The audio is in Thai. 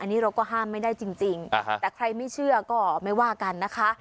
อันนี้เราก็ห้ามไม่ได้จริงแต่ใครไม่เชื่อก็ไม่ว่ากันนะคะ